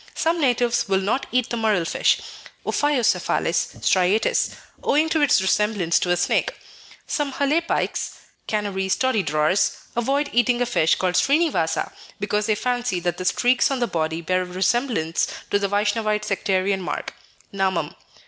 Some Natives will not eat the murrel fish (Ophiocephalus striatus), owing to its resemblance to a snake. Some Halepaiks (Canarese toddy drawers) avoid eating a fish called Srinivasa, because they fancy that the streaks on the body bear a resemblance to the Vaishnavite sectarian mark (namam).